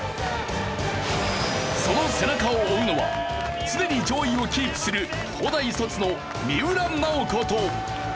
その背中を追うのは常に上位をキープする東大卒の三浦奈保子と。